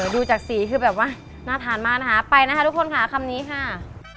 ดูจากสีคือแบบว่าน่าทานมากนะคะไปนะคะทุกคนค่ะคำนี้ค่ะ